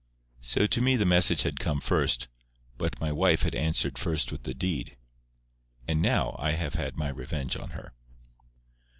So to me the message had come first, but my wife had answered first with the deed. And now I have had my revenge on her.